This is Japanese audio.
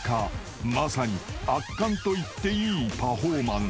［まさに圧巻と言っていいパフォーマンス］